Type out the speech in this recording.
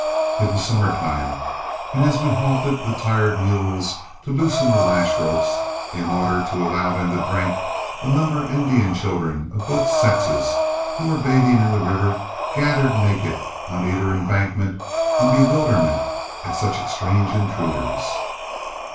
It was summer time, and as we halted the tired mules to loosen the lash ropes, in order to allow them to drink, a number of Indian children of both sexes, who were bathing in the river, gathered naked on either embankment in bewilderment at such strange intruders.